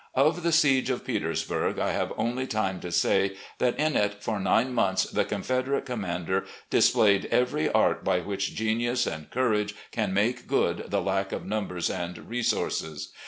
. Of the siege of Petersburg, I have only time to say that in it for nine months the Confederate com THE SURRENDER 149 mander displayed every art by which genius and courage can make good the lack of numbers and resources.